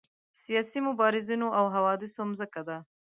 سیاسي مبارزینو او حوادثو مځکه ده.